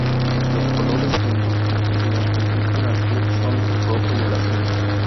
Los colores que identifican al club son el rojo y el azul.